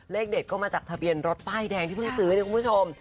เลขเด็ดก็มาจากทะเบียนรถป้ายแดงที่เพิ่งซื้อเนี่ยคุณผู้ชม